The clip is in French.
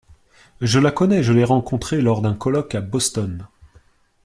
Je la connais, je l’ai rencontrée lors d’un colloque à Boston